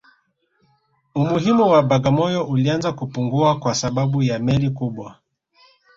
Umuhimu wa Bagamoyo ulianza kupungua kwa sababu ya meli kubwa